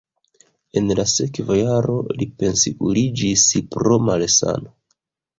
En la sekva jaro li pensiuliĝis pro malsano.